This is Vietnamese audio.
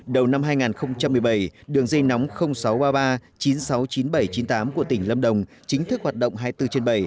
đầu năm hai nghìn một mươi bảy đường dây nóng sáu trăm ba mươi ba chín trăm sáu mươi chín nghìn bảy trăm chín mươi tám của tỉnh lâm đồng chính thức hoạt động hai mươi bốn trên bảy